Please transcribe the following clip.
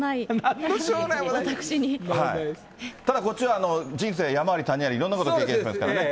ただこっちは、人生山あり谷あり、いろんなこと経験しましたからね。